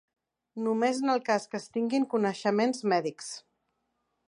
Només en el cas que es tinguin coneixements mèdics.